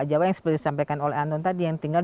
jawa yang seperti disampaikan oleh anton tadi yang tinggal